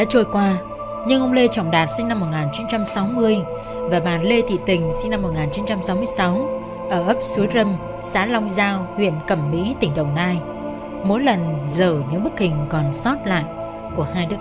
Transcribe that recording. hành trình phá án kỳ này xin được trân trọng gửi tới quý vị